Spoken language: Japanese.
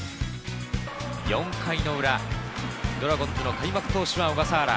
４回の裏、ドラゴンズの開幕投手は小笠原。